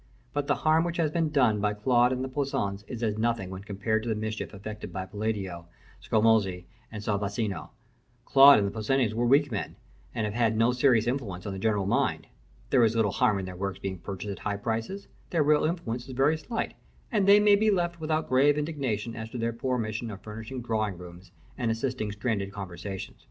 But the harm which has been done by Claude and the Poussins is as nothing when compared to the mischief effected by Palladio, Scamozzi, and Sansovino. Claude and the Poussins were weak men, and have had no serious influence on the general mind. There is little harm in their works being purchased at high prices: their real influence is very slight, and they may be left without grave indignation to their poor mission of furnishing drawing rooms and assisting stranded conversation.